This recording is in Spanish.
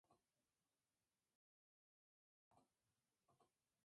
Se encuentra precedida por la Estación Estacas y le sigue Estación San Víctor.